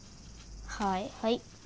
はいはい。